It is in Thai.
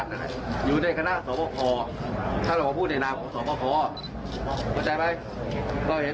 ผู้บริหารระดับสูงมาภูเก็ตหมดเลย